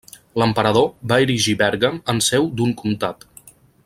L'emperador va erigir Bèrgam en seu d'un comtat.